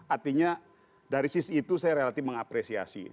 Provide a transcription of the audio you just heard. artinya dari sisi itu saya relatif mengapresiasi